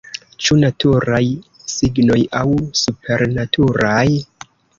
Ĉu naturaj signoj aŭ supernaturaj?